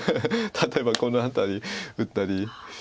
例えばこの辺り打ったり。